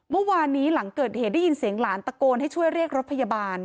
เมื่อวานนี้หลังเกิดเหตุได้ยินเสียงหลานตะโกนให้ช่วยเรียกรถพยาบาล